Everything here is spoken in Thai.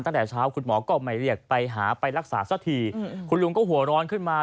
ตั้งแต่เช้าคุณหมอก็ไม่เรียกไปหาไปรักษาสักทีคุณลุงก็หัวร้อนขึ้นมา